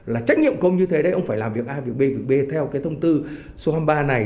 là trách nhiệm công như thế đấy ông phải làm việc a việc b việc b theo cái thông tư số hai mươi ba này